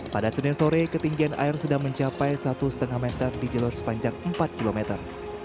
pada senin sore ketinggian air sudah mencapai satu lima meter di jalur sepanjang empat kilometer